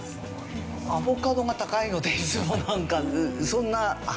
アボカドが高いのでなんかそんな。